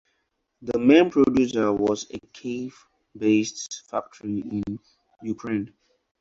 The main producer was a Kiev-based factory in Ukraine.